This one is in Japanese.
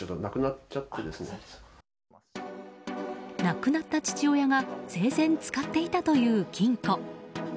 亡くなった父親が生前、使っていたという金庫。